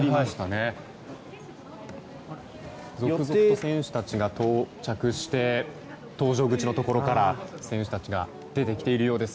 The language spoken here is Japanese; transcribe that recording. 選手たちが到着して搭乗口のところから出てきているようです。